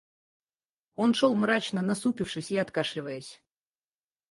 Он шел мрачно, насупившись и откашливаясь.